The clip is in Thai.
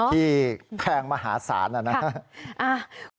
ที่แพงมหาศาลน่ะนะครับ